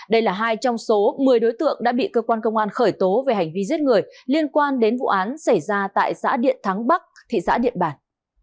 đây là hai trong số một mươi đối tượng đã bị cơ quan công an khởi tố về hành vi giết người liên quan đến vụ án xảy ra tại xã điện thắng bắc thị xã điện bàn